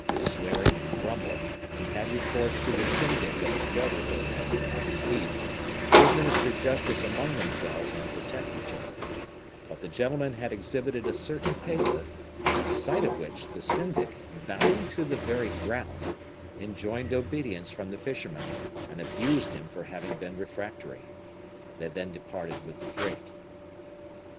Swearing and grumbling, he had recourse to the syndic of his brotherhood at Antibes, who administer justice among themselves and protect each other; but the gentleman had exhibited a certain paper, at sight of which the syndic, bowing to the very ground, enjoined obedience from the fisherman, and abused him for having been refractory. They then departed with the freight.